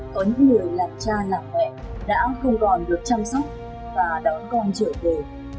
có những người là cha là mẹ đã không còn được chăm sóc và đón con trở về